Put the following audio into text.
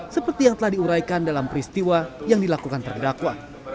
seperti yang telah diuraikan dalam peristiwa yang dilakukan terdakwa